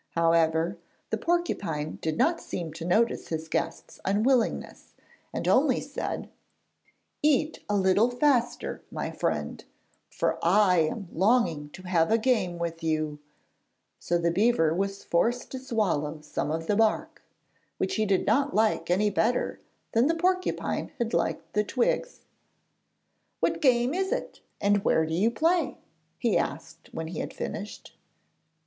However, the porcupine did not seem to notice his guest's unwillingness, and only said: 'Eat a little faster, my friend, for I am longing to have a game with you'; so the beaver was forced to swallow some of the bark, which he did not like any better than the porcupine had liked the twigs. 'What game is it, and where do you play?' he asked when he had finished.